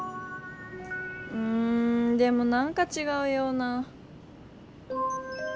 うんでもなんかちがうような。